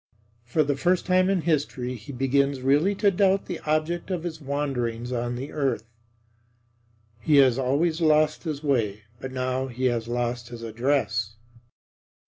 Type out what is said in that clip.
For the first time in history he begins really to doubt the object of his wanderings on the earth. He has always lost his way; but now he has lost his address.